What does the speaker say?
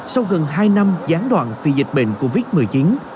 sau gần hai năm gián đoạn vì dịch bệnh covid một mươi chín